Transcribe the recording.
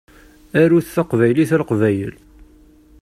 Arut taqbaylit a Leqbayel.